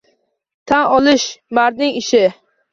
Tan olish – mardning ishi!